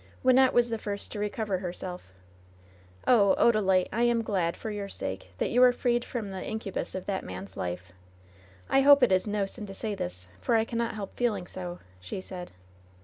Wynnette was the first to recover herself. "Oh 1 Odalite, I am glad, foi: your sake, that you are freed from the incubus of that man's life. I hope it is no sin to say this, for I cannot help feeling so," she said.